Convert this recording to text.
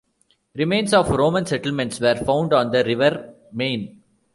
Remains of Roman settlements were found on the river Main.